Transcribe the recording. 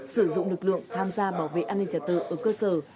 sử dụng lực lượng tham gia bảo vệ an ninh trả tự ở cơ sở